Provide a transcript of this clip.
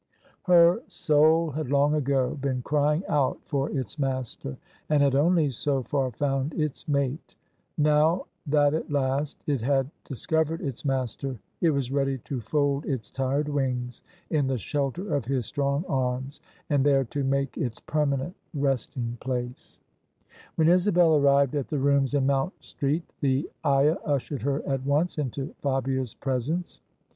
Her soul had long ago been crying out for its master, and had only so far found its mate : now that at last it had dis covered its master, it was ready to fold its tired wing? in the shelter of his strong arms, and there to make its permanent resting place. OF ISABEL CARNABY When Isabel arrived at the rooms in Mount Street the ayah ushered her at once into Fabians presence.